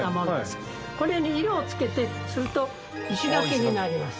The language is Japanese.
これに色をつけてすると石垣になります。